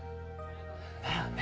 だよね。